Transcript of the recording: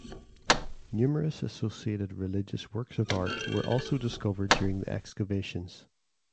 Numerous associated religious works of art were also discovered during the excavations.